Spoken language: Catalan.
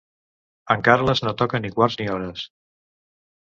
En Carles no toca ni quarts ni hores.